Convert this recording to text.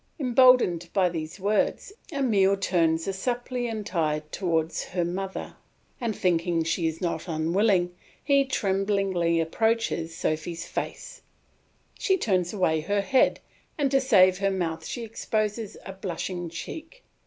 Emboldened by these words, Emile turns a suppliant eye towards her mother, and thinking she is not unwilling, he tremblingly approaches Sophy's face; she turns away her head, and to save her mouth she exposes a blushing cheek.